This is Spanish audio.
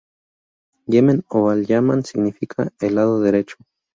Yemen o al-Yaman significa 'el lado derecho'.